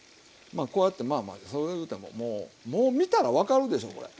こうやってまあまあそう言うてももう見たら分かるでしょこれ。